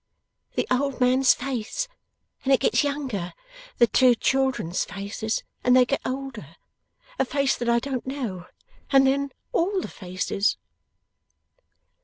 The old man's face, and it gets younger. The two children's faces, and they get older. A face that I don't know. And then all the faces!